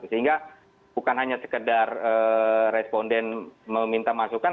sehingga bukan hanya sekedar responden meminta masukan